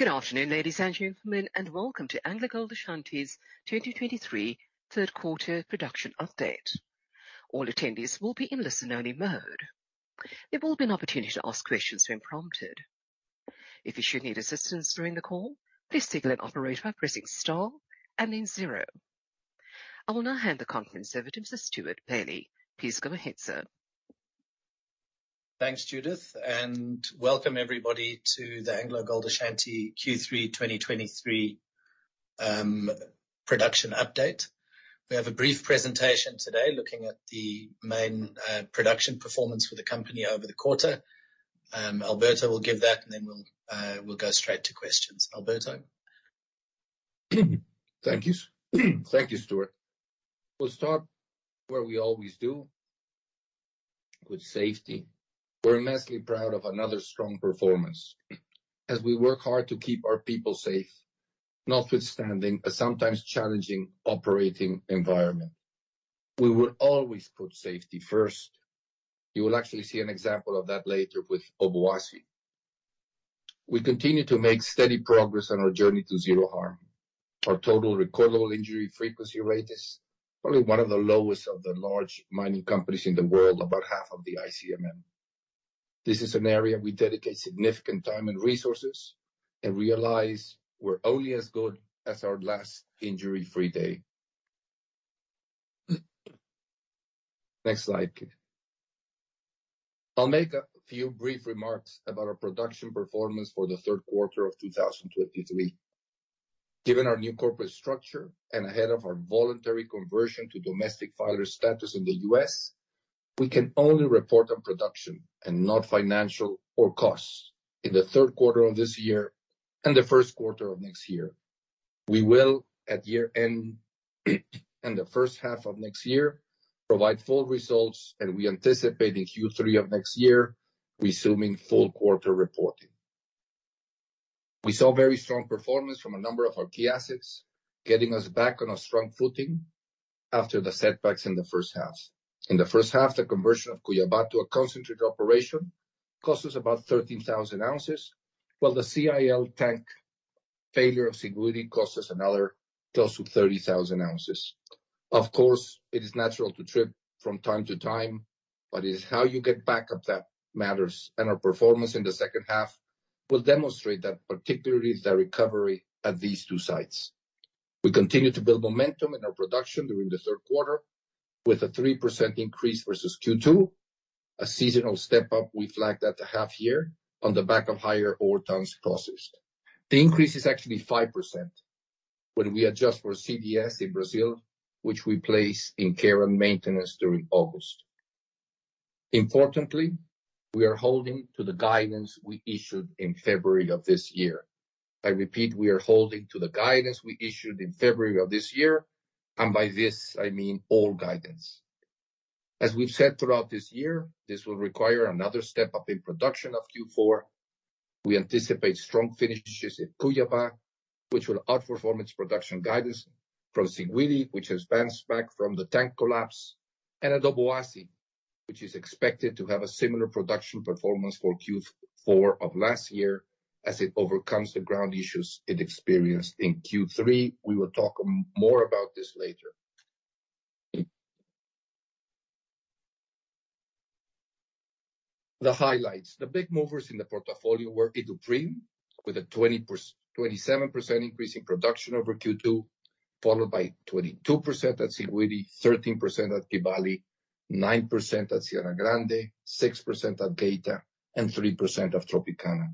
Good afternoon, ladies and gentlemen, and welcome to AngloGold Ashanti's 2023 third quarter production update. All attendees will be in listen-only mode. There will be an opportunity to ask questions when prompted. If you should need assistance during the call, please signal an operator by pressing star and then zero. I will now hand the conference over to Stewart Bailey. Please go ahead, sir. Thanks, Judith, and welcome everybody to the AngloGold Ashanti Q3 2023 production update. We have a brief presentation today looking at the main production performance for the company over the quarter. Alberto will give that, and then we'll go straight to questions. Alberto? Thank you. Thank you, Stewart. We'll start where we always do, with safety. We're immensely proud of another strong performance, as we work hard to keep our people safe, notwithstanding a sometimes challenging operating environment. We will always put safety first. You will actually see an example of that later with Obuasi. We continue to make steady progress on our journey to zero harm. Our total recordable injury frequency rate is probably one of the lowest of the large mining companies in the world, about half of the ICMM. This is an area we dedicate significant time and resources, and realize we're only as good as our last injury-free day. Next slide. I'll make a few brief remarks about our production performance for the third quarter of 2023. Given our new corporate structure and ahead of our voluntary conversion to Domestic Filer Status in the U.S., we can only report on production and not financial or costs in the third quarter of this year and the first quarter of next year. We will, at year-end, and the first half of next year, provide full results, and we anticipate in Q3 of next year resuming full quarter reporting. We saw very strong performance from a number of our key assets, getting us back on a strong footing after the setbacks in the first half. In the first half, the conversion of Cuiabá to a concentrate operation cost us about 13,000 ounces, while the CIL tank failure of Siguiri cost us another close to 30,000 ounces. Of course, it is natural to trip from time to time, but it is how you get back up that matters, and our performance in the second half will demonstrate that, particularly the recovery at these two sites. We continued to build momentum in our production during the third quarter with a 3% increase versus Q2, a seasonal step up we flagged at the half year on the back of higher ore tons costs. The increase is actually 5% when we adjust for CdS in Brazil, which we placed in care and maintenance during August. Importantly, we are holding to the guidance we issued in February of this year. I repeat, we are holding to the guidance we issued in February of this year, and by this, I mean all guidance. As we've said throughout this year, this will require another step-up in production of Q4. We anticipate strong finishes at Cuiabá, which will outperform its production guidance from Siguiri, which has bounced back from the tank collapse, and at Obuasi, which is expected to have a similar production performance for Q4 of last year as it overcomes the ground issues it experienced in Q3. We will talk more about this later. The highlights. The big movers in the portfolio were Iduapriem, with a 27% increase in production over Q2, followed by 22% at Siguiri, 13% at Kibali, 9% at Serra Grande, 6% at Geita, and 3% at Tropicana.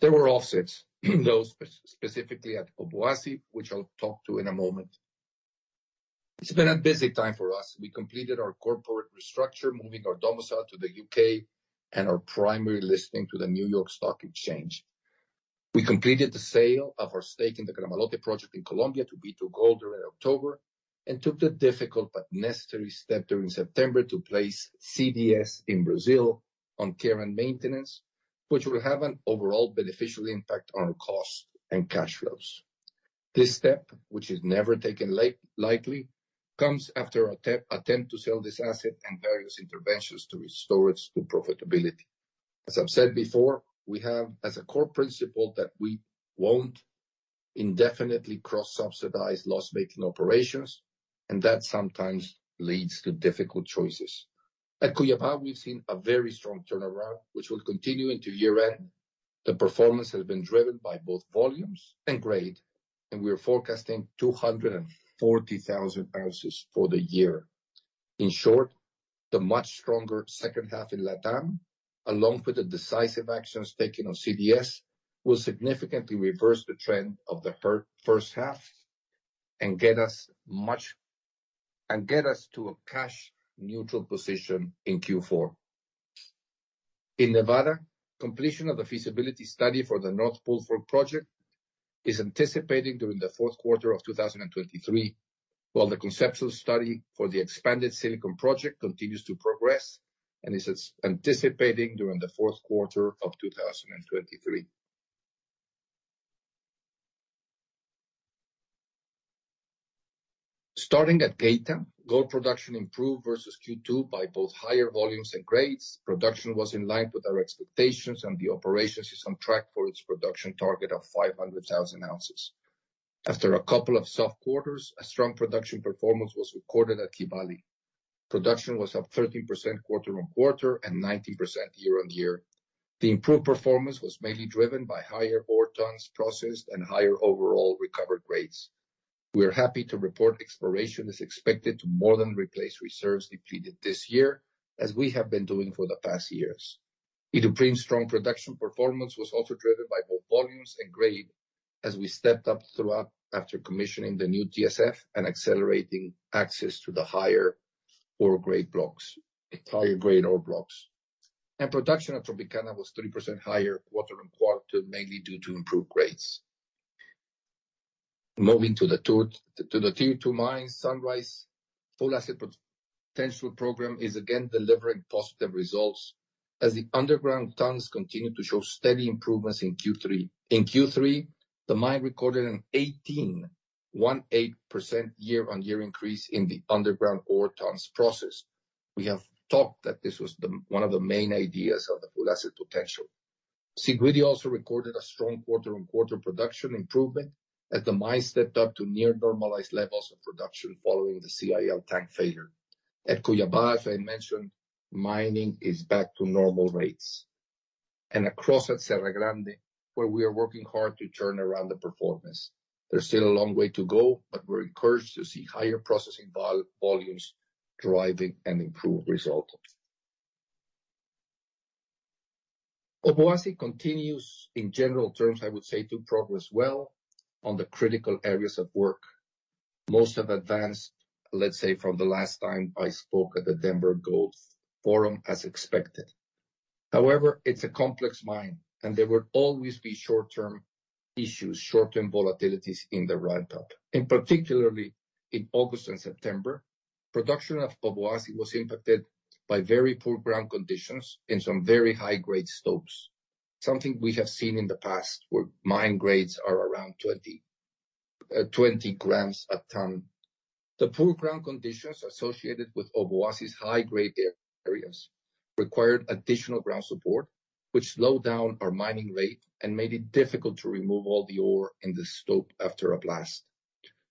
There were offsets, though, specifically at Obuasi, which I'll talk to in a moment. It's been a busy time for us. We completed our corporate restructure, moving our domicile to the U.K. and our primary listing to the New York Stock Exchange. We completed the sale of our stake in the Gramalote project in Colombia to B2Gold during October and took the difficult but necessary step during September to place CDS in Brazil on care and maintenance, which will have an overall beneficial impact on our costs and cash flows. This step, which is never taken lightly, comes after an attempt to sell this asset and various interventions to restore it to profitability. As I've said before, we have, as a core principle, that we won't indefinitely cross-subsidize loss-making operations, and that sometimes leads to difficult choices. At Cuiabá, we've seen a very strong turnaround, which will continue into year-end. The performance has been driven by both volumes and grade, and we are forecasting 240,000 ounces for the year. In short, the much stronger second half in LATAM, along with the decisive actions taken on CdS, will significantly reverse the trend of the first half and get us much and get us to a cash neutral position in Q4. In Nevada, completion of the feasibility study for the North Bullfrog Project is anticipating during the fourth quarter of 2023, while the conceptual study for the expanded Silicon project continues to progress and is anticipating during the fourth quarter of 2023. Starting at Geita, gold production improved versus Q2 by both higher volumes and grades. Production was in line with our expectations, and the operation is on track for its production target of 500,000 ounces. After a couple of soft quarters, a strong production performance was recorded at Kibali. Production was up 13% quarter-on-quarter and 19% year-on-year. The improved performance was mainly driven by higher ore tons processed and higher overall recovery rates. We are happy to report exploration is expected to more than replace reserves depleted this year, as we have been doing for the past years. Iduapriem strong production performance was also driven by both volumes and grade as we stepped up throughput after commissioning the new TSF and accelerating access to the higher ore grade blocks, higher grade ore blocks. Production at Tropicana was 30% higher quarter-on-quarter, mainly due to improved grades. Moving to the Tier Two mines, Sunrise Full Asset Potential program is again delivering positive results as the underground tons continue to show steady improvements in Q3. In Q3, the mine recorded an 18.18% year-on-year increase in the underground ore tons processed. We have talked that this was one of the main ideas of the Full Asset Potential. Siguiri also recorded a strong quarter-on-quarter production improvement as the mine stepped up to near-normalized levels of production following the CIL tank failure. At Cuiabá, as I mentioned, mining is back to normal rates and across at Serra Grande, where we are working hard to turn around the performance. There's still a long way to go, but we're encouraged to see higher processing volumes driving an improved result. Obuasi continues, in general terms, I would say, to progress well on the critical areas of work. Most have advanced, let's say, from the last time I spoke at the Denver Gold Forum, as expected. However, it's a complex mine, and there will always be short-term issues, short-term volatilities in the ramp-up. Particularly, in August and September, production of Obuasi was impacted by very poor ground conditions and some very high-grade stopes. Something we have seen in the past, where mine grades are around 20 g a ton. The poor ground conditions associated with Obuasi's high-grade areas required additional ground support, which slowed down our mining rate and made it difficult to remove all the ore in the stope after a blast.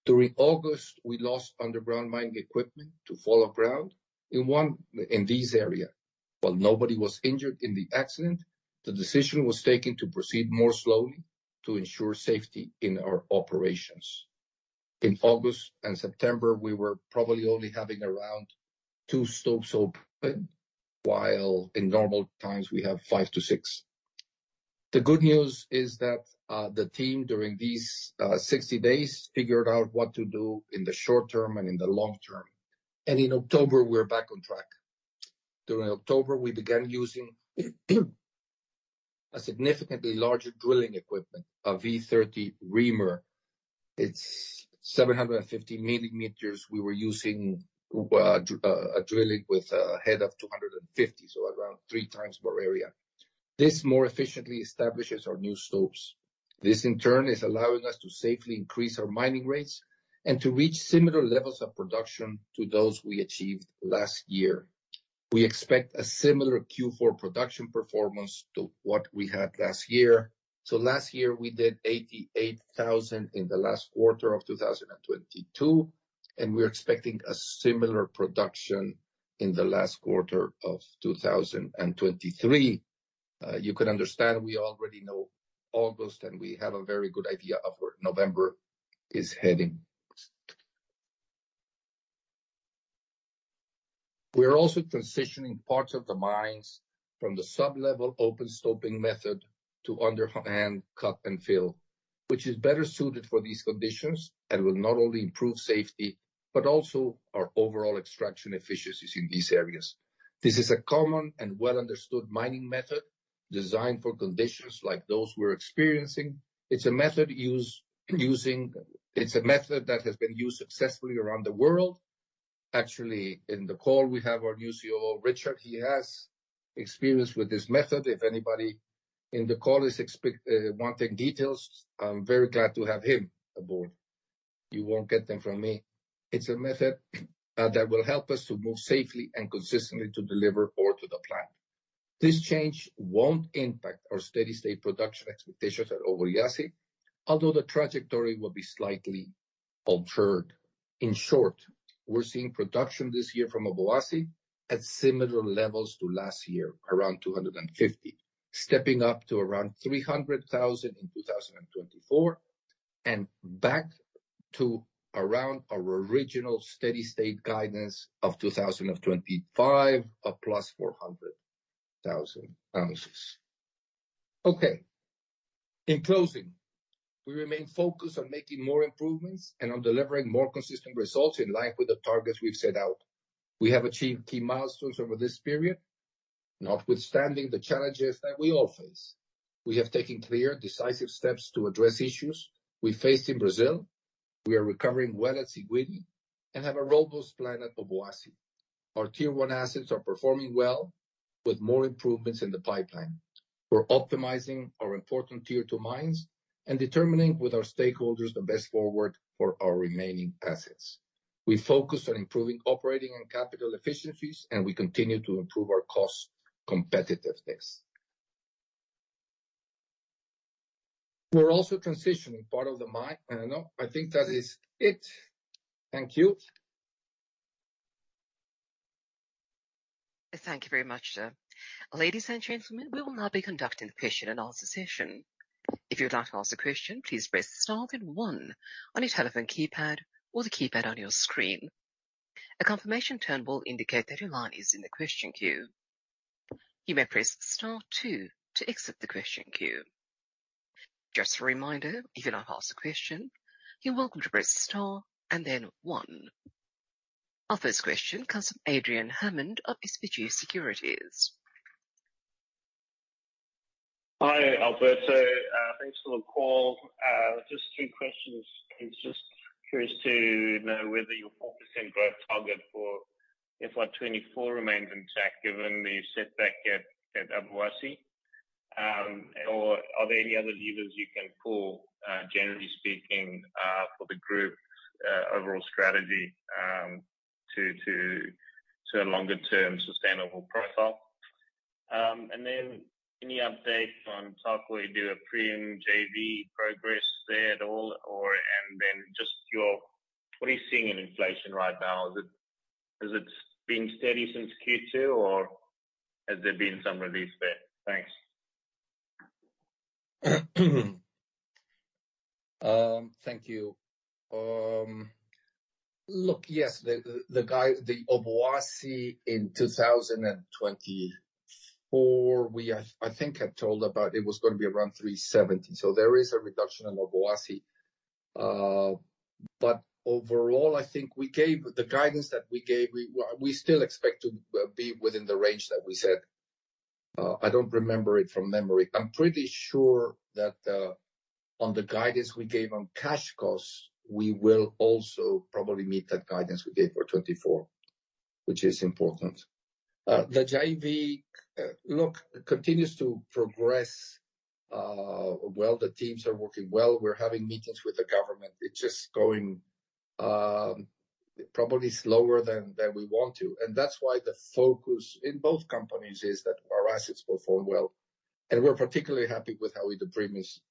During August, we lost underground mining equipment to fall of ground in this area. While nobody was injured in the accident, the decision was taken to proceed more slowly to ensure safety in our operations. In August and September, we were probably only having around two stopes open, while in normal times we have five to six. The good news is that, the team, during these, 60 days, figured out what to do in the short term and in the long term. And in October, we're back on track. During October, we began using a significantly larger drilling equipment, a V30 reamer. It's 750 mm. We were using, a drilling with a head of 250, so around three times more area. This more efficiently establishes our new stopes. This, in turn, is allowing us to safely increase our mining rates and to reach similar levels of production to those we achieved last year. We expect a similar Q4 production performance to what we had last year. So last year, we did 88,000 in the last quarter of 2022, and we're expecting a similar production in the last quarter of 2023. You could understand we already know August, and we have a very good idea of where November is heading. We are also transitioning parts of the mines from the sub-level open stoping method to underhand cut and fill, which is better suited for these conditions and will not only improve safety, but also our overall extraction efficiencies in these areas. This is a common and well-understood mining method designed for conditions like those we're experiencing. It's a method that has been used successfully around the world. Actually, in the call, we have our new COO, Richard. He has experience with this method. If anybody in the call is expect, wanting details, I'm very glad to have him aboard. You won't get them from me. It's a method, that will help us to move safely and consistently to deliver ore to the plant. This change won't impact our steady-state production expectations at Obuasi, although the trajectory will be slightly altered. In short, we're seeing production this year from Obuasi at similar levels to last year, around 250, stepping up to around 300,000 in 2024, and back to around our original steady-state guidance of 2025, of +400,000 ounces. Okay. In closing, we remain focused on making more improvements and on delivering more consistent results in line with the targets we've set out. We have achieved key milestones over this period, notwithstanding the challenges that we all face. We have taken clear, decisive steps to address issues we faced in Brazil. We are recovering well at Siguiri and have a robust plan at Obuasi. Our Tier One assets are performing well, with more improvements in the pipeline. We're optimizing our important Tier Two mines and determining with our stakeholders the best forward for our remaining assets. We focus on improving operating and capital efficiencies, and we continue to improve our cost competitiveness. We're also transitioning part of the mine. And, no, I think that is it. Thank you. Thank you very much, sir. Ladies and gentlemen, we will now be conducting the question and answer session. If you'd like to ask a question, please press star then one on your telephone keypad or the keypad on your screen. A confirmation tone will indicate that your line is in the question queue. You may press star two to exit the question queue. Just a reminder, if you're not asked a question, you're welcome to press star and then one. Our first question comes from Adrian Hammond of SBG Securities. Hi, Alberto. Thanks for the call. Just two questions. I was just curious to know whether your 4% growth target for FY 2024 remains intact, given the setback at Obuasi. Or are there any other levers you can pull, generally speaking, for the group's overall strategy to a longer-term sustainable profile? And then any updates on Tarkwa-Iduapriem JV progress there at all, or and then just what are you seeing in inflation right now? Is it has it been steady since Q2, or has there been some release there? Thanks. Thank you. Look, yes, the guidance for Obuasi in 2024, we have, I think, had told about it was gonna be around 370. So there is a reduction in Obuasi. But overall, I think we gave the guidance that we gave, we still expect to be within the range that we said. I don't remember it from memory. I'm pretty sure that on the guidance we gave on cash costs, we will also probably meet that guidance we gave for 2024, which is important. The JV, look, continues to progress well. The teams are working well. We're having meetings with the government. It's just going probably slower than we want to. And that's why the focus in both companies is that our assets perform well. We're particularly happy with how the premise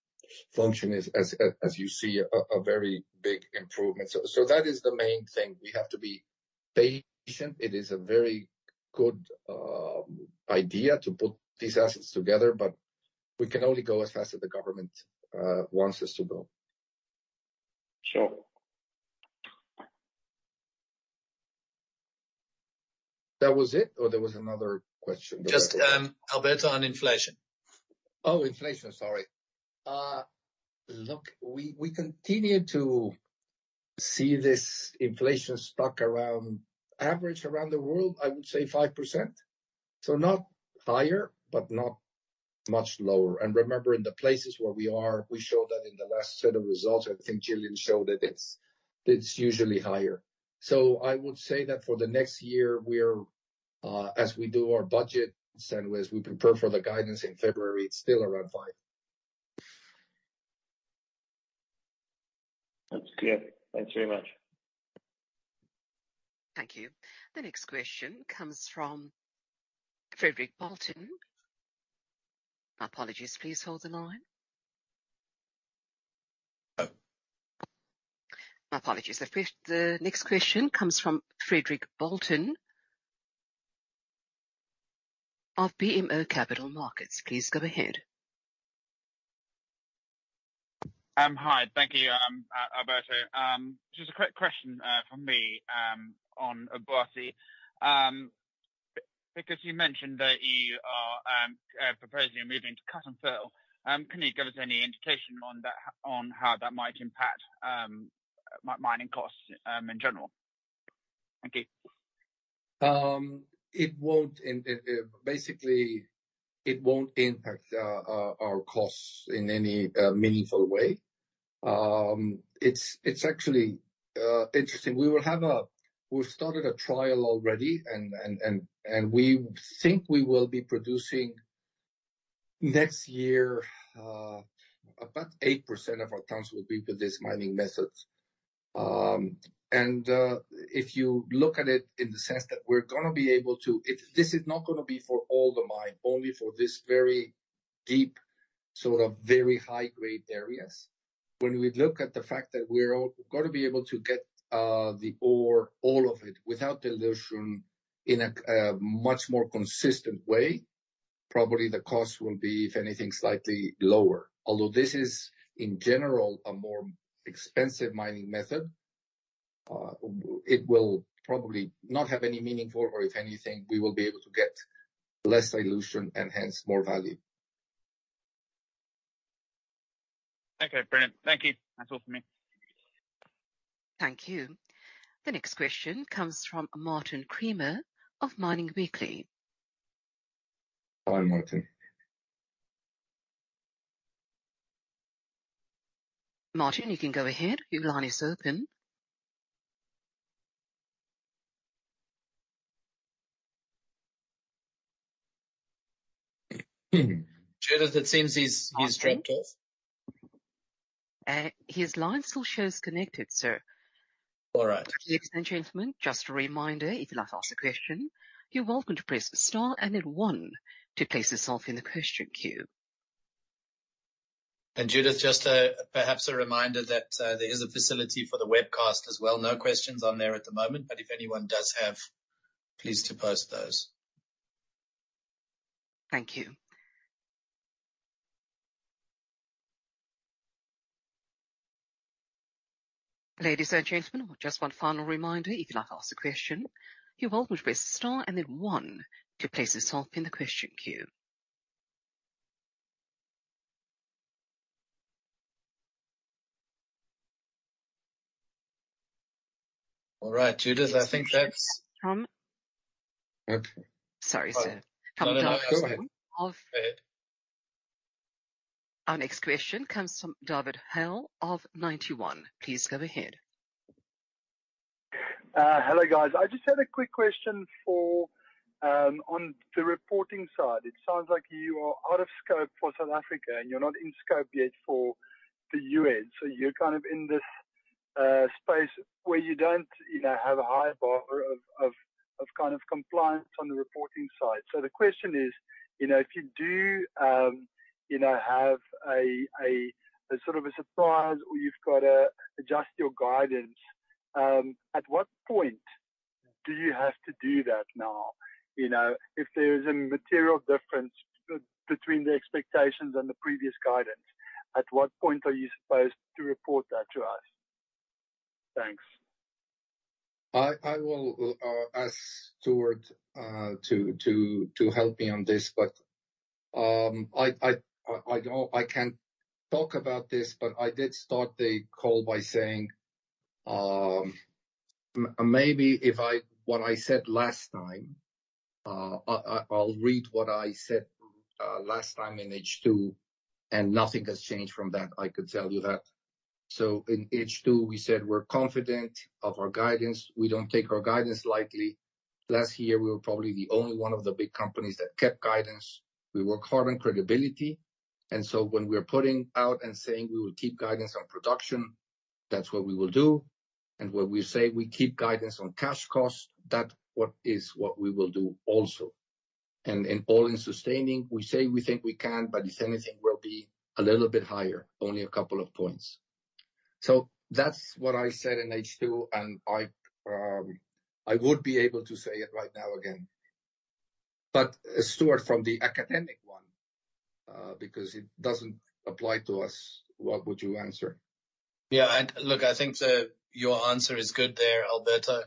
function is, as you see, a very big improvement. So that is the main thing. We have to be patient. It is a very good idea to put these assets together, but we can only go as fast as the government wants us to go. Sure. That was it, or there was another question? Just, Alberto, on inflation. Oh, inflation. Sorry. Look, we, we continue to see this inflation stuck around, average around the world, I would say 5%. So not higher, but not much lower. And remember, in the places where we are, we showed that in the last set of results, I think Gillian showed that it's, it's usually higher. So I would say that for the next year, we're, as we do our budget and as we prepare for the guidance in February, it's still around 5%. That's clear. Thanks very much. Thank you. The next question comes from Frederick Bolton. My apologies, please hold the line. My apologies. The next question comes from Frederic Bolton of BMO Capital Markets. Please go ahead. Hi. Thank you, Alberto. Just a quick question from me on Obuasi. Because you mentioned that you are proposing and moving to cut and fill, can you give us any indication on that, on how that might impact mining costs in general? Thank you. It won't. And basically, it won't impact our costs in any meaningful way. It's actually interesting. We've started a trial already, and we think we will be producing next year about 8% of our tons with this mining method. If you look at it in the sense that we're gonna be able to. If this is not gonna be for all the mine, only for this very deep, sort of, very high-grade areas. When we look at the fact that we're all gonna be able to get the ore, all of it, without dilution, in a much more consistent way, probably the cost will be, if anything, slightly lower. Although this is, in general, a more expensive mining method, it will probably not have any meaningful, or if anything, we will be able to get less dilution and hence more value. Okay, brilliant. Thank you. That's all for me. Thank you. The next question comes from Martin Creamer of Mining Weekly. Hi, Martin.... Martin, you can go ahead. Your line is open. Judith, it seems he's dropped off. His line still shows connected, sir. All right. Ladies and gentlemen, just a reminder, if you'd like to ask a question, you're welcome to press star and then one to place yourself in the question queue. Judith, just, perhaps a reminder that there is a facility for the webcast as well. No questions on there at the moment, but if anyone does have, please to post those. Thank you. Ladies and gentlemen, just one final reminder, if you'd like to ask a question, you're welcome to press star and then one to place yourself in the question queue. All right, Judith, I think that's- Tom? Okay. Sorry, sir. No, no, go ahead. Go ahead. Our next question comes from David Hale of Ninety One. Please go ahead. Hello, guys. I just had a quick question for on the reporting side. It sounds like you are out of scope for South Africa, and you're not in scope yet for the US. So you're kind of in this space where you don't, you know, have a high bar of kind of compliance on the reporting side. So the question is, you know, if you do, you know, have a sort of a surprise or you've got to adjust your guidance, at what point do you have to do that now? You know, if there is a material difference between the expectations and the previous guidance, at what point are you supposed to report that to us? Thanks. I will ask Stewart to help me on this, but I don't. I can talk about this, but I did start the call by saying, maybe if I-- what I said last time, I'll read what I said last time in H2, and nothing has changed from that, I could tell you that. So in H2, we said we're confident of our guidance. We don't take our guidance lightly. Last year, we were probably the only one of the big companies that kept guidance. We work hard on credibility, and so when we are putting out and saying we will keep guidance on production, that's what we will do. And when we say we keep guidance on cash costs, that what is what we will do also. And in all-in sustaining, we say we think we can, but if anything, we'll be a little bit higher, only a couple of points. So that's what I said in H2, and I, I would be able to say it right now again. But Stewart, from the ICMM one, because it doesn't apply to us, what would you answer? Yeah, and look, I think your answer is good there, Alberto.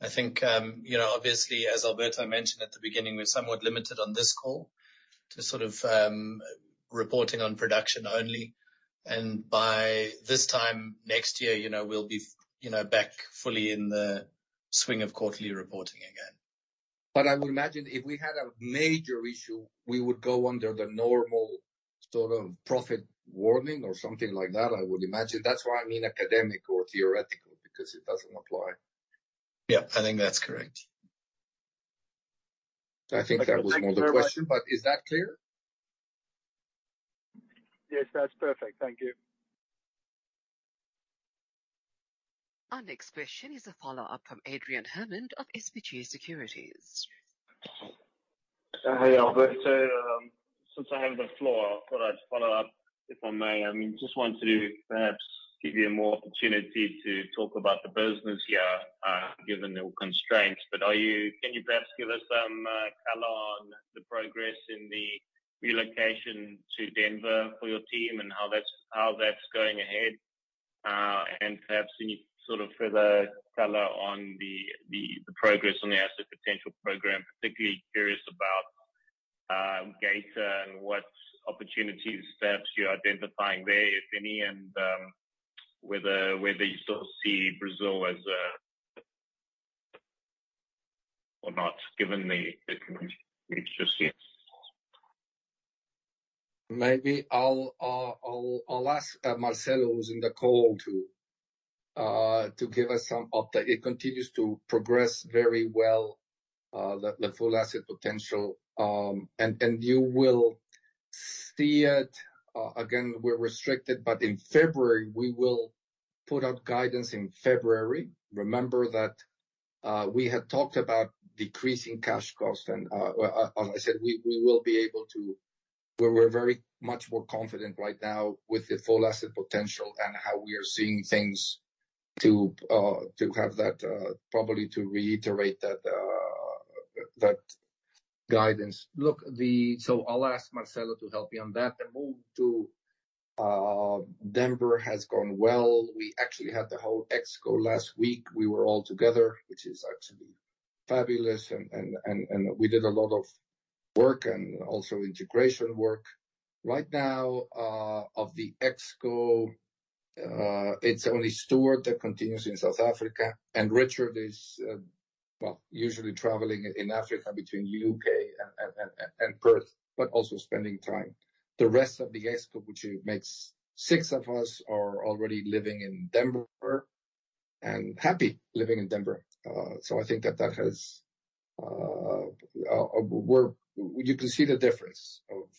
I think, you know, obviously, as Alberto mentioned at the beginning, we're somewhat limited on this call to sort of reporting on production only, and by this time next year, you know, we'll be back fully in the swing of quarterly reporting again. But I would imagine if we had a major issue, we would go under the normal sort of profit warning or something like that, I would imagine. That's why I mean academic or theoretical, because it doesn't apply. Yeah, I think that's correct. I think that was more the question, but is that clear? Yes, that's perfect. Thank you. Our next question is a follow-up from Adrian Hammond of SBG Securities. Hey, Alberto. Since I have the floor, I thought I'd follow up, if I may. I mean, just want to perhaps give you more opportunity to talk about the business here, given the constraints. But can you perhaps give us some color on the progress in the relocation to Denver for your team and how that's going ahead? And perhaps any sort of further color on the progress on the asset potential program. Particularly curious about Geita and what opportunities perhaps you're identifying there, if any, and whether you sort of see Brazil as or not, given the interests, yes. Maybe I'll ask Marcelo, who's in the call, too, to give us some update. It continues to progress very well, the full asset potential, and you will see it. Again, we're restricted, but in February, we will put out guidance in February. Remember that, we had talked about decreasing cash costs, and, well, as I said, we will be able to. We're very much more confident right now with the full asset potential and how we are seeing things to have that, probably to reiterate that guidance. Look, so I'll ask Marcelo to help you on that. The move to Denver has gone well. We actually had the whole ExCo last week. We were all together, which is actually fabulous, and we did a lot of work and also integration work. Right now, of the ExCo, it's only Stewart that continues in South Africa, and Richard is... Well, usually traveling in Africa between U.K. and Perth, but also spending time. The rest of the executive, which makes six of us, are already living in Denver and happy living in Denver. So I think that has worked. You can see the difference of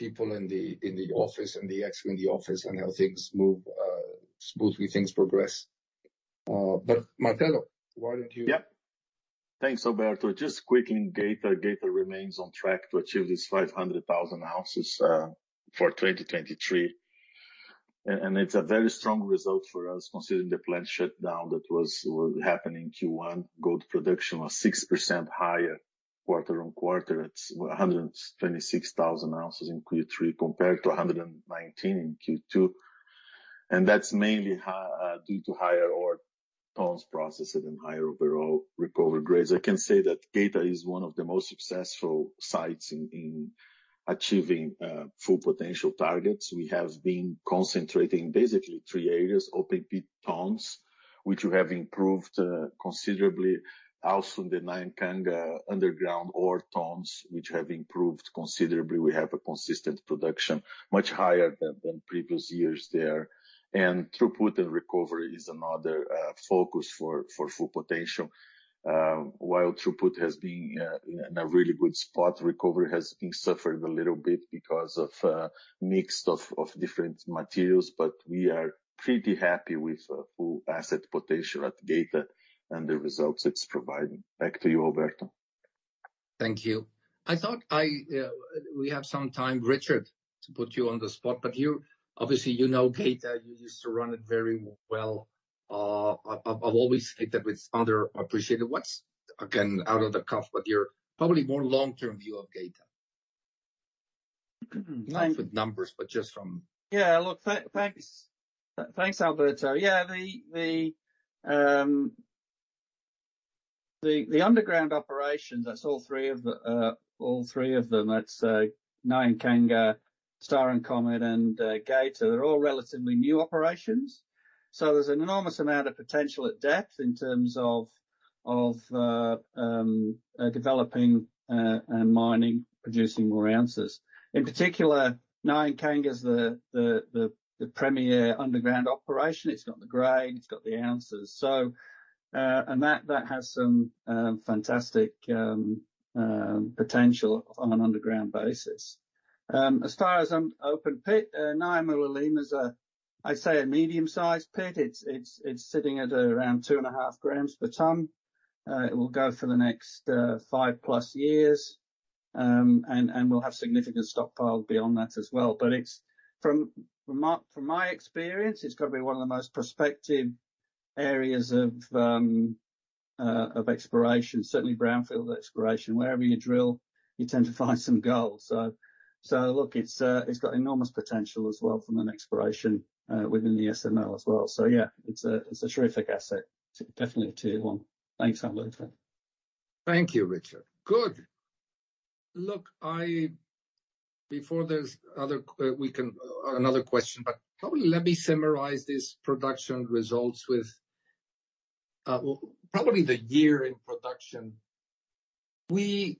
people in the office and the execs in the office and how things move smoothly, things progress. But Marcelo, why don't you- Yeah. Thanks, Alberto. Just quickly, Geita. Geita remains on track to achieve its 500,000 ounces for 2023. And it's a very strong result for us, considering the plant shutdown that was happening in Q1. Gold production was 6% higher quarter-on-quarter. It's 126,000 ounces in Q3, compared to 119,000 in Q2, and that's mainly due to higher ore tons processed and higher overall recovery grades. I can say that Geita is one of the most successful sites in achieving full potential targets. We have been concentrating basically three areas: open pit tons, which we have improved considerably, also the Nyankanga underground ore tons, which have improved considerably. We have a consistent production, much higher than previous years there, and throughput and recovery is another focus for full potential. While throughput has been in a really good spot, recovery has been suffering a little bit because of mix of different materials, but we are pretty happy with full asset potential at Geita and the results it's providing. Back to you, Alberto. Thank you. I thought I... We have some time, Richard, to put you on the spot, but you obviously, you know Geita, you used to run it very well. I've always said that it's underappreciated. What's, again, off the cuff, but you're probably more long-term view of Geita? Not with numbers, but just from- Yeah, look, thanks, thanks, Alberto. Yeah, the underground operations, that's all three of them, that's Nyankanga, Star and Comet, and Geita. They're all relatively new operations, so there's an enormous amount of potential at depth in terms of developing and mining, producing more ounces. In particular, Nyankanga is the premier underground operation. It's got the grade, it's got the ounces. So, that has some fantastic potential on an underground basis. As far as open pit, Nyankanga is a, I'd say, a medium-sized pit. It's sitting at around 2.5 g per ton. It will go for the next 5+ years, and we'll have significant stockpile beyond that as well. But it's... From my experience, it's got to be one of the most prospective areas of exploration, certainly brownfield exploration. Wherever you drill, you tend to find some gold. So look, it's got enormous potential as well from an exploration within the SML as well. So, yeah, it's a terrific asset. Definitely a tier one. Thanks, Alberto. Thank you, Richard. Good. Look, before there's other, we can... another question, but probably let me summarize this production results with, well, probably the year in production. We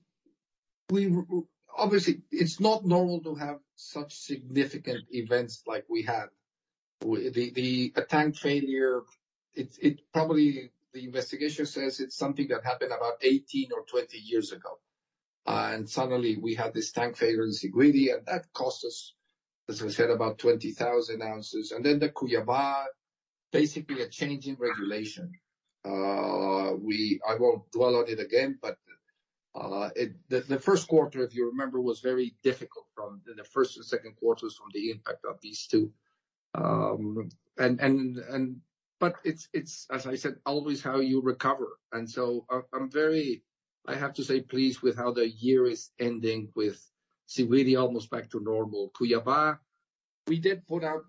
obviously, it's not normal to have such significant events like we had. The, a tank failure, it's, it probably, the investigation says it's something that happened about 18 or 20 years ago, and suddenly we had this tank failure in Siguiri, and that cost us, as I said, about 20,000 ounces. And then the Cuiabá, basically a change in regulation. I won't dwell on it again, but, it, the first quarter, if you remember, was very difficult from the first and second quarters from the impact of these two. But it's, as I said, always how you recover, and so I'm very, I have to say, pleased with how the year is ending with Siguiri almost back to normal. Cuiabá, we did put out,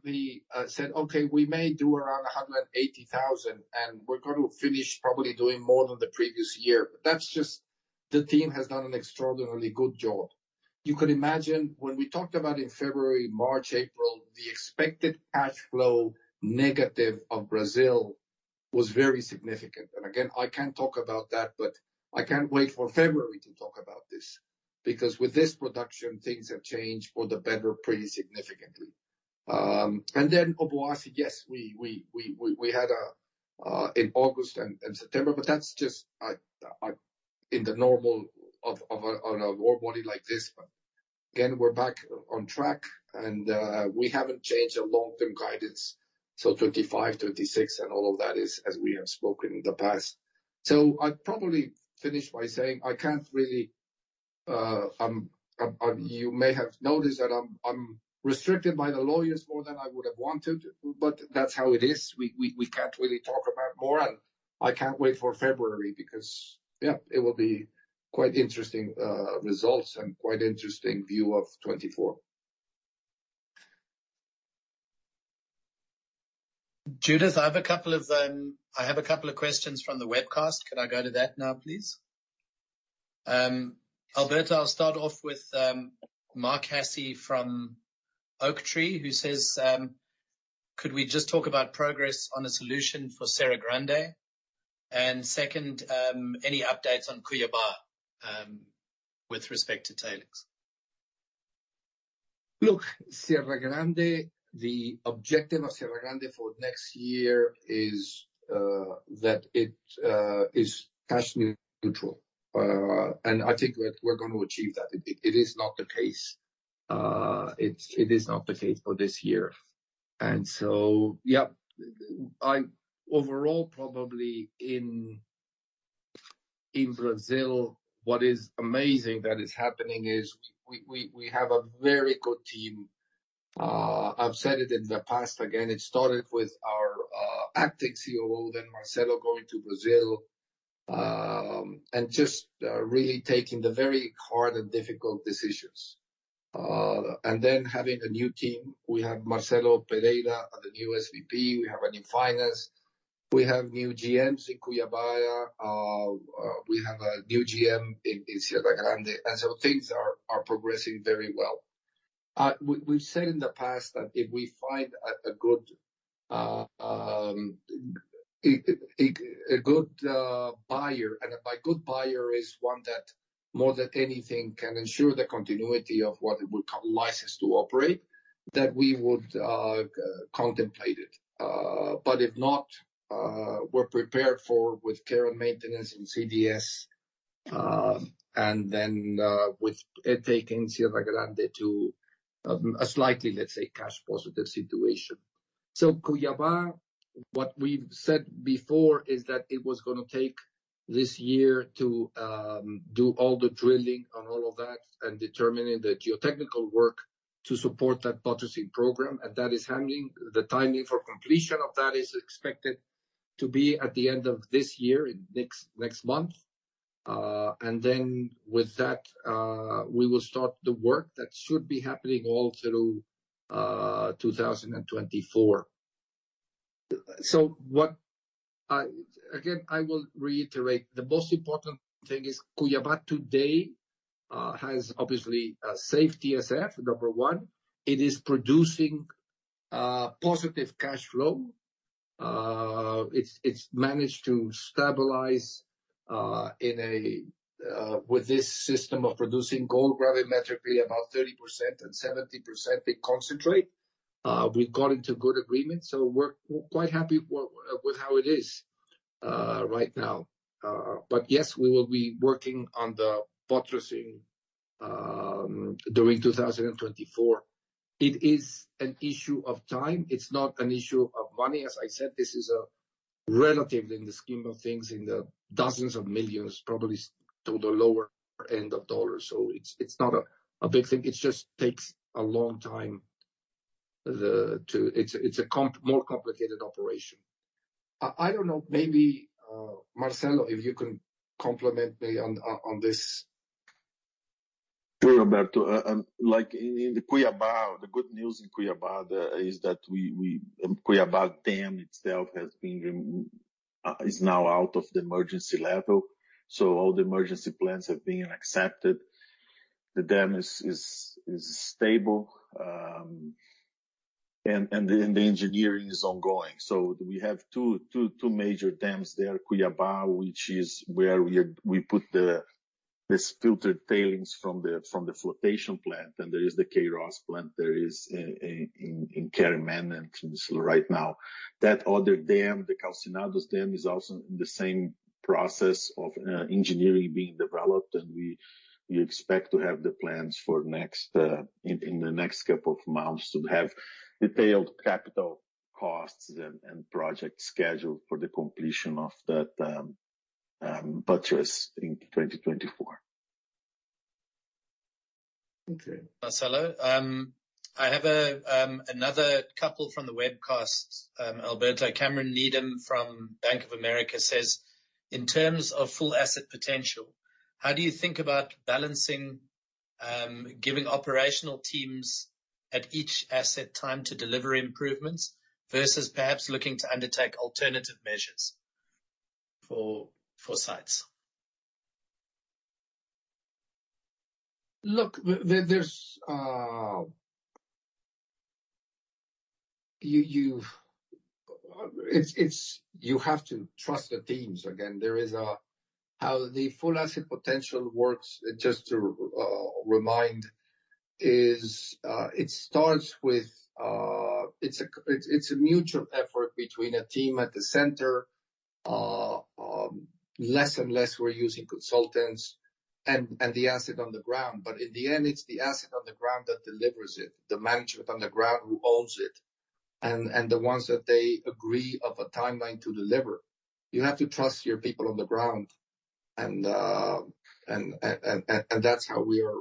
said, "Okay, we may do around 180,000, and we're going to finish probably doing more than the previous year." But that's just the team has done an extraordinarily good job. You can imagine when we talked about in February, March, April, the expected cash flow negative of Brazil was very significant. And again, I can't talk about that, but I can't wait for February to talk about this, because with this production, things have changed for the better, pretty significantly. And then Obuasi, yes, we had in August and September, but that's just in the normal of an ore body like this. But again, we're back on track, and we haven't changed our long-term guidance. So 35, 36, and all of that is as we have spoken in the past. So I'd probably finish by saying I can't really, you may have noticed that I'm restricted by the lawyers more than I would have wanted, but that's how it is. We can't really talk about more, and I can't wait for February because, yeah, it will be quite interesting results and quite interesting view of 2024. Judith, I have a couple of questions from the webcast. Can I go to that now, please? Alberto, I'll start off with Mark Hasse from Oaktree, who says, "Could we just talk about progress on a solution for Serra Grande? And second, any updates on Cuiabá, with respect to tailings? Look, Serra Grande, the objective of Serra Grande for next year is that it is cash neutral. And I think that we're going to achieve that. It, it is not the case, it, it is not the case for this year. And so, yeah, overall, probably in Brazil, what is amazing that is happening is we have a very good team. I've said it in the past. Again, it started with our acting CEO, then Marcelo, going to Brazil, and just really taking the very hard and difficult decisions. And then having a new team. We have Marcelo Pereira, the new SVP, we have a new finance, we have new GMs in Cuiabá, we have a new GM in Serra Grande. And so things are progressing very well. We've said in the past that if we find a good buyer, and by good buyer is one that, more than anything, can ensure the continuity of what it would license to operate, that we would contemplate it. But if not, we're prepared for with care and maintenance in CdS, and then, with it taking Serra Grande to a slightly, let's say, cash positive situation. So Cuiabá, what we've said before is that it was gonna take this year to do all the drilling on all of that and determining the geotechnical work to support that buttressing program, and that is handling. The timing for completion of that is expected to be at the end of this year, in next, next month. And then with that, we will start the work that should be happening all through 2024. So, what I, again, I will reiterate, the most important thing is Cuiabá today has obviously a safe TSF, number one. It is producing positive cash flow. It's managed to stabilize in a with this system of producing gold gravimetrically, about 30% and 70% in concentrate. We've got into good agreement, so we're quite happy with how it is right now. But yes, we will be working on the buttressing during 2024. It is an issue of time. It's not an issue of money. As I said, this is relatively in the scheme of things, in the $ dozens of millions, probably to the lower end of dollars. So it's not a big thing. It just takes a long time. It's a more complicated operation. I don't know, maybe, Marcelo, if you can complement me on this. Sure, Alberto. Like in the Cuiabá, the good news in Cuiabá is that we, Cuiabá dam itself is now out of the emergency level, so all the emergency plans have been accepted. The dam is stable, and the engineering is ongoing. So we have two major dams there, Cuiabá, which is where we put this filtered tailings from the flotation plant, and there is the Córrego do Sítio plant in care and maintenance right now. That other dam, the Calcinados dam, is also in the same process of engineering being developed, and we expect to have the plans for next in the next couple of months, to have detailed capital costs and project schedule for the completion of that buttress in 2024. Okay. Marcelo, I have another couple from the webcast. Alberto, Cameron Needham from Bank of America says: "In terms of full asset potential, how do you think about balancing giving operational teams at each asset time to deliver improvements versus perhaps looking to undertake alternative measures for sites? Look, there, there's... You have to trust the teams. Again, there is. How the Full Asset Potential works, just to remind, is it starts with. It's a mutual effort between a team at the center, less and less we're using consultants, and the asset on the ground. But in the end, it's the asset on the ground that delivers it, the management on the ground who owns it, and the ones that they agree of a timeline to deliver. You have to trust your people on the ground, and that's how we are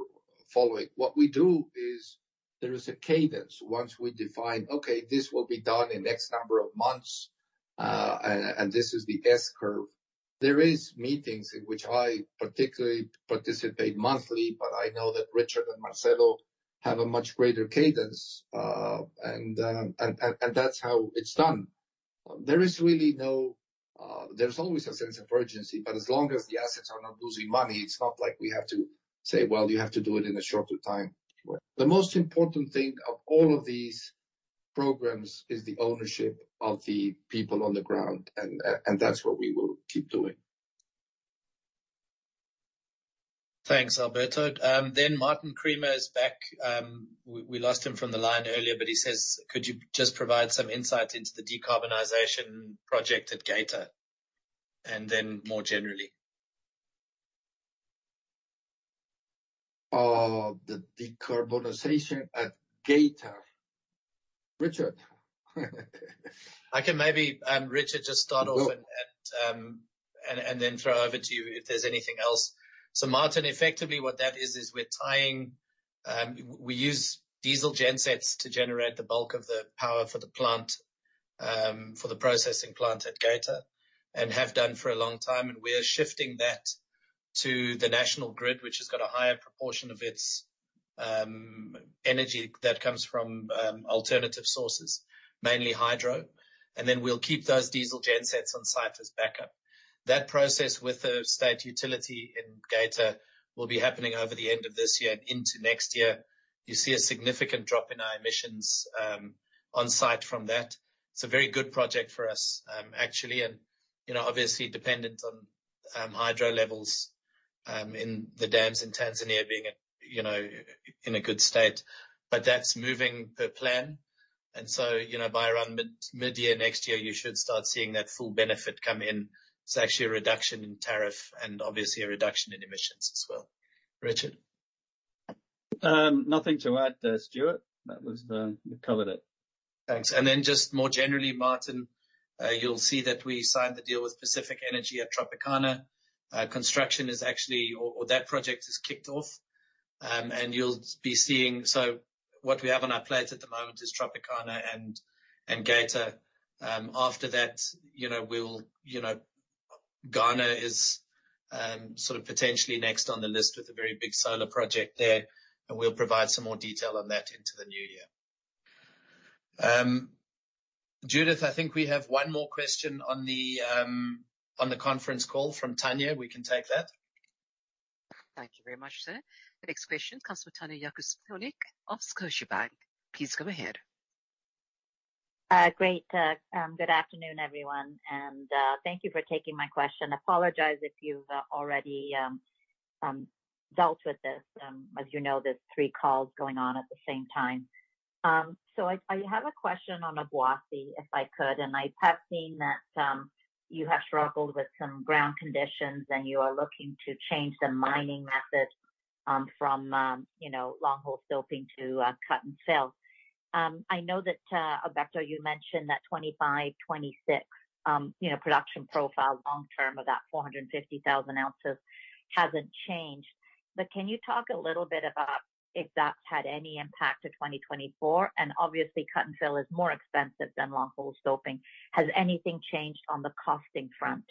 following. What we do is there is a cadence. Once we define, okay, this will be done in X number of months, and this is the S-curve. There are meetings in which I particularly participate monthly, but I know that Richard and Marcelo have a much greater cadence, and that's how it's done. There is really no, there's always a sense of urgency, but as long as the assets are not losing money, it's not like we have to say, "Well, you have to do it in a shorter time." The most important thing of all of these programs is the ownership of the people on the ground, and that's what we will keep doing. Thanks, Alberto. Then Martin Creamer is back. We lost him from the line earlier, but he says, "Could you just provide some insight into the decarbonization project at Geita, and then more generally? The decarbonization at Geita. Richard? I can maybe, Richard, just start off- Good. and then throw over to you if there's anything else. So, Martin, effectively, what that is, is we're tying, we use diesel gen sets to generate the bulk of the power for the plant, for the processing plant at Geita, and have done for a long time, and we are shifting that to the national grid, which has got a higher proportion of its energy that comes from alternative sources, mainly hydro. And then we'll keep those diesel gen sets on site as backup. That process with the state utility in Geita will be happening over the end of this year and into next year. You see a significant drop in our emissions on site from that. It's a very good project for us, actually, and, you know, obviously dependent on hydro levels in the dams in Tanzania being at, you know, in a good state. But that's moving per plan, and so, you know, by around mid, mid-year next year, you should start seeing that full benefit come in. It's actually a reduction in tariff and obviously a reduction in emissions as well. Richard? Nothing to add there, Stewart. That was the... You covered it. Thanks. And then just more generally, Martin, you'll see that we signed the deal with Pacific Energy at Tropicana. Construction is actually or that project is kicked off, and you'll be seeing. So what we have on our plate at the moment is Tropicana and Geita. After that, you know, we'll, you know, Ghana is sort of potentially next on the list with a very big solar project there, and we'll provide some more detail on that into the new year. Judith, I think we have one more question on the on the conference call from Tanya. We can take that. Thank you very much, sir. The next question comes from Tanya Jakusconek of Scotiabank. Please go ahead. Great, good afternoon, everyone, and thank you for taking my question. I apologize if you've already dealt with this. As you know, there's three calls going on at the same time. So I have a question on Obuasi, if I could, and I have seen that you have struggled with some ground conditions, and you are looking to change the mining method from, you know, longhole stoping to cut and fill. I know that Alberto, you mentioned that 25, 26, you know, production profile long term of that 450,000 ounces hasn't changed. But can you talk a little bit about if that's had any impact to 2024? And obviously, cut and fill is more expensive than longhole stoping. Has anything changed on the costing front,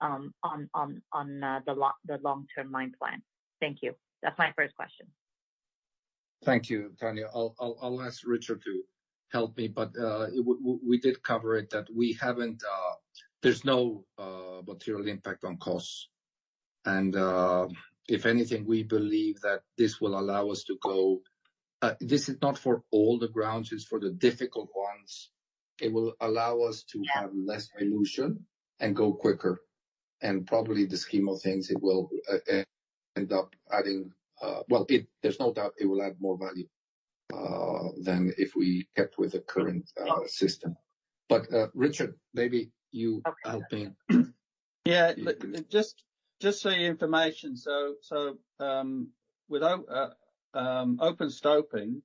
on the long-term mine plan? Thank you. That's my first question. Thank you, Tanya. I'll ask Richard to help me, but we did cover it, that we haven't... There's no material impact on costs. And if anything, we believe that this will allow us to go, this is not for all the grounds, it's for the difficult ones. It will allow us to have less dilution and go quicker, and probably the scheme of things, it will end up adding, well, there's no doubt it will add more value than if we kept with the current system. But Richard, maybe you help me. Yeah. Just so you're informed, without open stoping,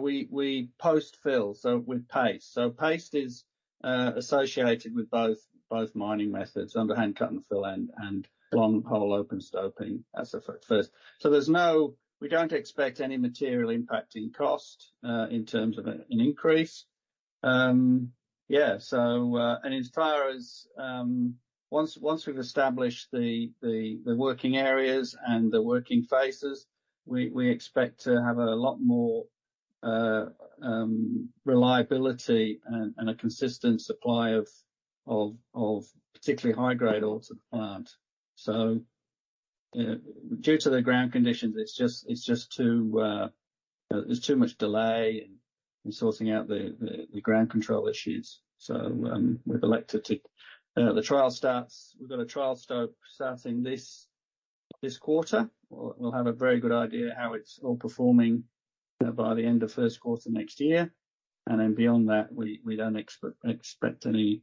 we paste fill, so with paste. So paste is associated with both mining methods, underhand cut and fill, and long hole open stoping, as a first. So, there's no. We don't expect any material impact in cost, in terms of an increase. Yeah, so, and as far as, once we've established the working areas and the working phases, we expect to have a lot more reliability and a consistent supply of particularly high-grade ore to the plant. So, due to the ground conditions, it's just too, there's too much delay in sorting out the ground control issues. So, we've elected to the trial starts. We've got a trial stope starting this quarter. We'll have a very good idea how it's all performing by the end of first quarter next year, and then beyond that, we don't expect any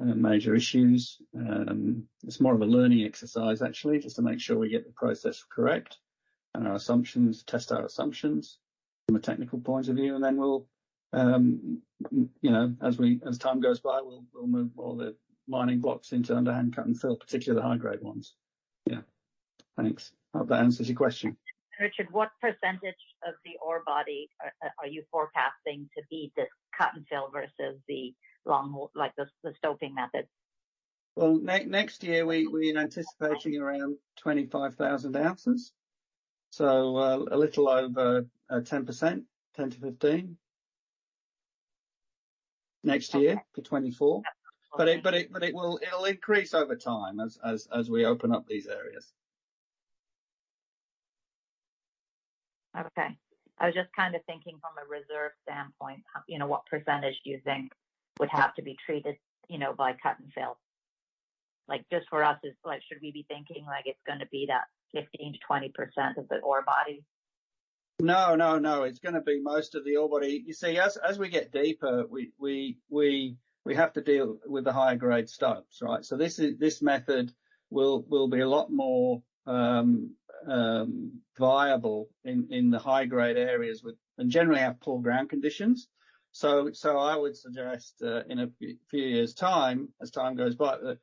major issues. It's more of a learning exercise, actually, just to make sure we get the process correct and our assumptions, test our assumptions from a technical point of view, and then we'll, you know, as time goes by, we'll move all the mining blocks into underhand cut and fill, particularly the high-grade ones. Yeah. Thanks. I hope that answers your question. Richard, what percentage of the ore body are you forecasting to be this cut and fill versus the longhole, like, the stoping method? Well, next year, we're anticipating around 25,000 ounces. So, a little over 10%, 10-15%, next year for 2024. But it'll increase over time as we open up these areas. Okay. I was just kind of thinking from a reserve standpoint, how, you know, what percentage do you think would have to be treated, you know, by cut and fill? Like, just for us, it's like, should we be thinking like it's gonna be that 15%-20% of the ore body? No, no, no. It's gonna be most of the ore body. You see, as we get deeper, we have to deal with the higher-grade stopes, right? So this is—this method will be a lot more viable in the high-grade areas with... and generally have poor ground conditions. So I would suggest in a few years time, as time goes by, the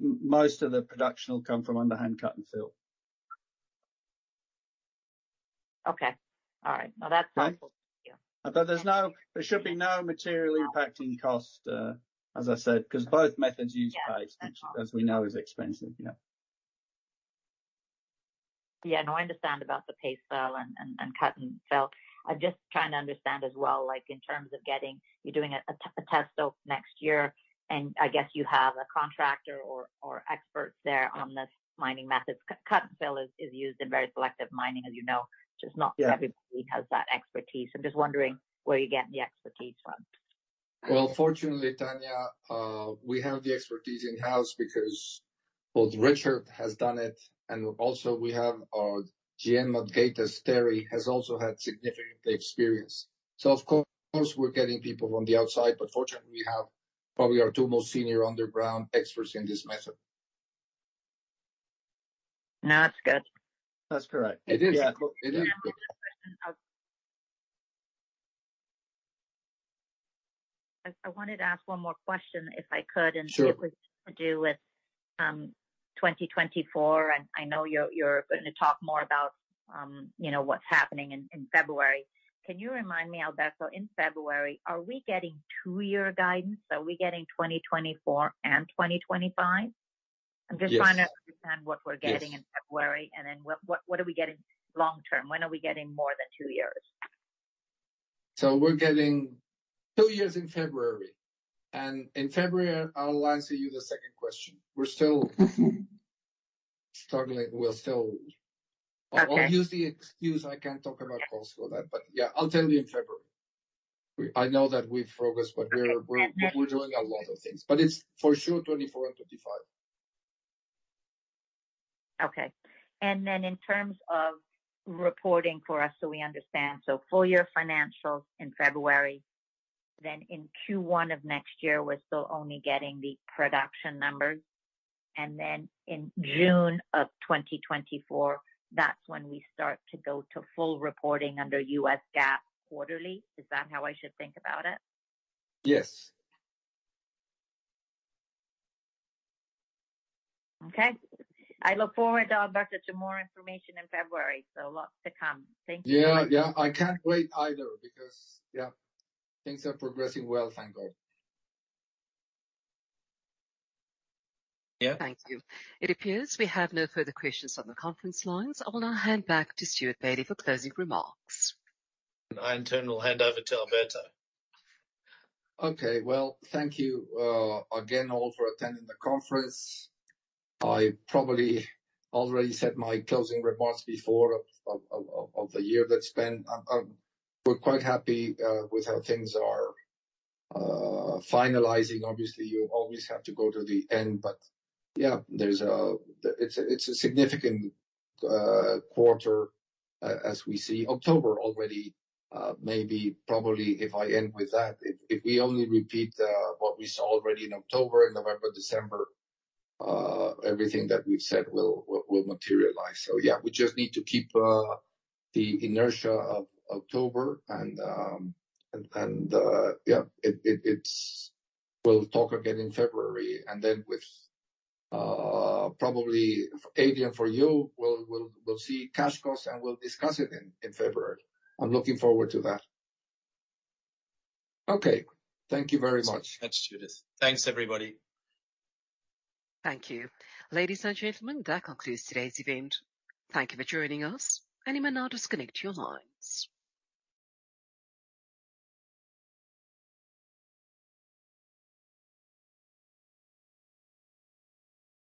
most of the production will come from underhand cut and fill. Okay. All right. Well, that's helpful. Thank you. But there should be no material impacting cost, as I said, 'cause both methods use paste- Yeah. which, as we know, is expensive, you know. Yeah, no, I understand about the paste fill and cut and fill. I'm just trying to understand as well, like in terms of getting... You're doing a test work next year, and I guess you have a contractor or experts there on this mining methods. Cut and fill is used in very selective mining, as you know. Just not- Yeah. Everybody has that expertise. I'm just wondering where you're getting the expertise from. Well, fortunately, Tanya, we have the expertise in-house because both Richard has done it, and also we have our GM of Geita. Terry has also had significant experience. So of course, we're getting people from the outside, but fortunately, we have probably our two most senior underground experts in this method. No, that's good. That's correct. It is. It is good. I wanted to ask one more question, if I could- Sure. and it was to do with 2024, and I know you're, you're gonna talk more about, you know, what's happening in, in February. Can you remind me, Alberto, in February, are we getting two-year guidance? Are we getting 2024 and 2025? Yes. I'm just trying to understand what we're getting- Yes in February, and then what, what are we getting long term? When are we getting more than two years? So we're getting two years in February, and in February, I'll answer you the second question. We're still struggling. We're still- Okay. I'll use the excuse, I can't talk about costs for that. But yeah, I'll tell you in February. I know that we've progressed, but we're- Yeah. We're doing a lot of things, but it's for sure 2024 and 2025. Okay. Then, in terms of reporting for us, so we understand. Full year financials in February, then in Q1 of next year, we're still only getting the production numbers. Then, in June of 2024, that's when we start to go to full reporting under US GAAP quarterly. Is that how I should think about it? Yes. Okay. I look forward, Alberto, to more information in February, so lots to come. Thank you. Yeah, yeah. I can't wait either, because, yeah, things are progressing well, thank God. Yeah. Thank you. It appears we have no further questions on the conference lines. I will now hand back to Stewart Bailey for closing remarks. I in turn will hand over to Alberto. Okay. Well, thank you again, all for attending the conference. I probably already said my closing remarks before of the year that's been. We're quite happy with how things are finalizing. Obviously, you always have to go to the end, but yeah, there's a... It's a significant quarter as we see. October already, maybe probably, if I end with that, if we only repeat what we saw already in October and November, December, everything that we've said will materialize. So yeah, we just need to keep the inertia of October and, and yeah, it's-- we'll talk again in February, and then with probably Adrian, for you, we'll see cash costs, and we'll discuss it in February. I'm looking forward to that. Okay. Thank you very much. Thanks, Judith. Thanks, everybody. Thank you. Ladies and gentlemen, that concludes today's event. Thank you for joining us, and you may now disconnect your lines.